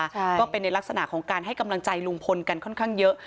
ใช่ก็เป็นในลักษณะของการให้กำลังใจลุงพลกันค่อนข้างเยอะ